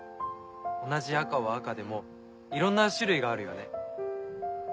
同じ赤は赤でもいろんな種類があるよね。